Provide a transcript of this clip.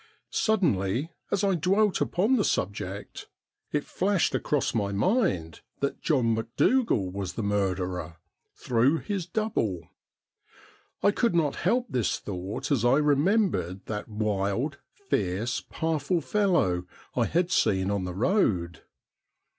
Suddenly, as I dwelt upon the subject, it flashed across my mind that John Macdougal was the murderer through his double. I could not help this thought as I remembered that wild, fierce, powerful fellow I had seen on the road.